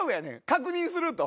「確認する」と。